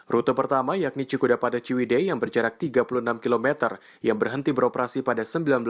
rute pertama yakni cikuda pada ciwide yang berjarak tiga puluh enam km yang berhenti beroperasi pada seribu sembilan ratus sembilan puluh